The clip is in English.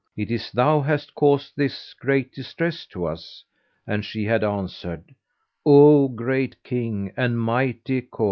it is thou hast caused this great distress to us;" and she had answered, "O great King and mighty Cohen!